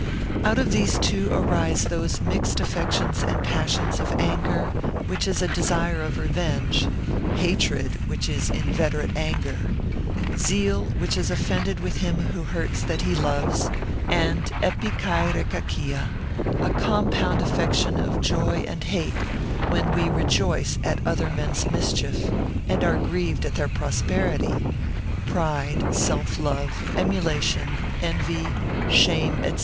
Out of these two arise those mixed affections and passions of anger, which is a desire of revenge; hatred, which is inveterate anger; zeal, which is offended with him who hurts that he loves; and ἐπικαιρεκακία, a compound affection of joy and hate, when we rejoice at other men's mischief, and are grieved at their prosperity; pride, self love, emulation, envy, shame, &c.